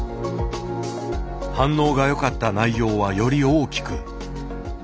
反応がよかった内容はより大きく。